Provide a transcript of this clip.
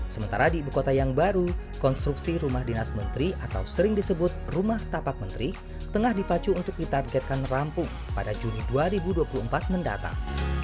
sementara di ibu kota yang baru konstruksi rumah dinas menteri atau sering disebut rumah tapak menteri tengah dipacu untuk ditargetkan rampung pada juni dua ribu dua puluh empat mendatang